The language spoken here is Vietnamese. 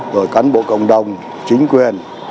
rồi cán bộ cộng đồng chính quyền